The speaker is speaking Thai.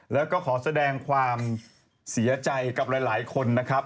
แล้วก็ขอแสดงความเสียใจกับหลายคนนะครับ